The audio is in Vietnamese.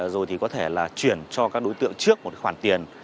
rồi có thể chuyển cho các đối tượng trước một khoản tiền